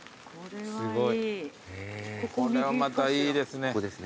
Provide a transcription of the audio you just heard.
これはまたいいですね。